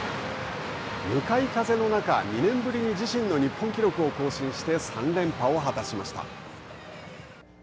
向かい風の中２年ぶりに自身の日本記録を更新して３連覇を果たしました。